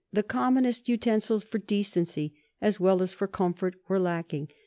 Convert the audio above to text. The commonest utensils, for decency as well as for comfort, were lacking.